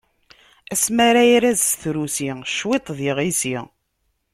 Asmi ara irad s trusi, cwiṭ d iɣisi.